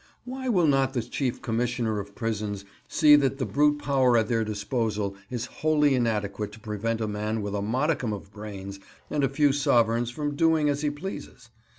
Why will not the Chief Commissioner of Prisons see that the brute power at their disposal is wholly inadequate to prevent a man with a modicum of brains and a few sovereigns from doing as he pleases?